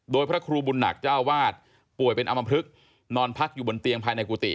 โดยพระครูบุญหนักเจ้าวาดป่วยเป็นอำมพลึกนอนพักอยู่บนเตียงภายในกุฏิ